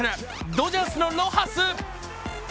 ドジャースのロハス。